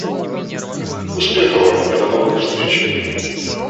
Успеха Вам, и до новых встреч.